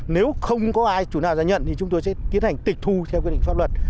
nếu không có ai chủ nào giá nhận thì chúng tôi sẽ tiến hành tịch thu theo quy định pháp luật